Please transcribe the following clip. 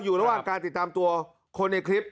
อยู่ระหว่างการติดตามตัวคนในคลิป